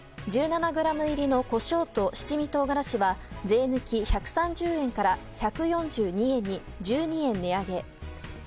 １７ｇ入りのコショーと七味唐辛子は税抜き１３０円から１４２円に１２円値上げ。